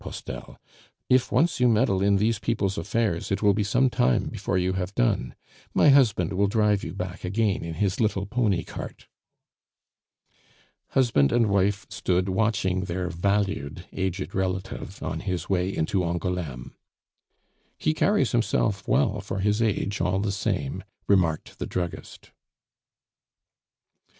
Postel; "if once you meddle in these people's affairs, it will be some time before you have done. My husband will drive you back again in his little pony cart." Husband and wife stood watching their valued, aged relative on his way into Angouleme. "He carries himself well for his age, all the same," remarked the druggist.